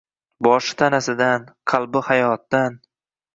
Boshi tanasidan, qalbi hayotdan